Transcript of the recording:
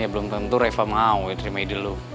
ya belum tentu reva mau ya terima ide lo